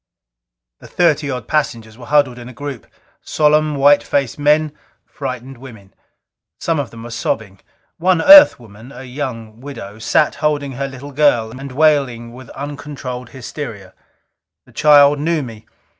The thirty odd passengers were huddled in a group. Solemn, white faced men; frightened women. Some of them were sobbing. One Earth woman a young widow sat holding her little girl, and wailing with uncontrolled hysteria. The child knew me.